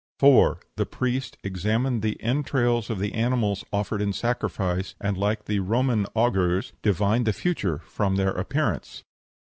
4. The priest examined the entrails of the animals offered in sacrifice, and, like the Roman augurs, divined the future from their appearance.